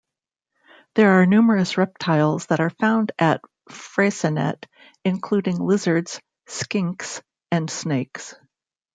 There are numerous reptiles that are found at Freycinet including lizards, skinks and snakes.